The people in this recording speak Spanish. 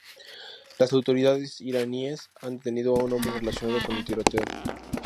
Las autoridades iraníes han detenido a un hombre relacionado con el tiroteo.